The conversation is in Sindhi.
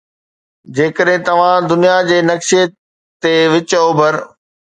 جيڪڏهن توهان دنيا جي نقشي تي وچ اوڀر